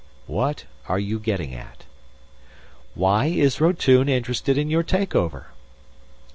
"What are you getting at?" "Why is Rotune interested in your take over?"